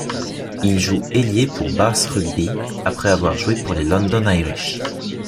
Il joue ailier pour Bath Rugby, après avoir joué pour les London Irish.